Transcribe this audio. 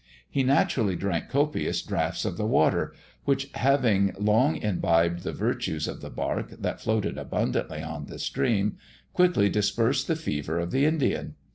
He naturally drank copious draughts of the water, which, having long imbibed the virtues of the bark, that floated abundantly on the stream, quickly dispersed the fever of the Indian.